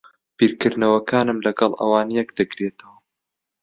بیرکردنەوەکانم لەگەڵ ئەوان یەک دەگرێتەوە.